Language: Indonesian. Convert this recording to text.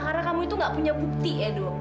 karena kamu itu gak punya bukti edo